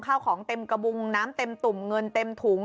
ข้าวของเต็มกระบุงน้ำเต็มตุ่มเงินเต็มถุง